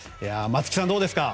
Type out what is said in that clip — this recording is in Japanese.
松木さん、どうですか？